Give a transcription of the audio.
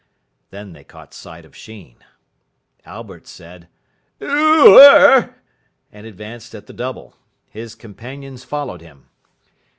Then they caught sight of Sheen. Albert said, "Oo er!" and advanced at the double. His companions followed him.